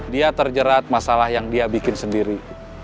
dia terjerat masalah yang dia bikin sendiri